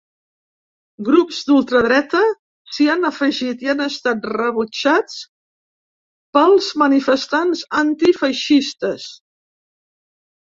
Grups d’ultradreta s’hi han afegit i han estat rebutjat pels manifestants antifeixistes.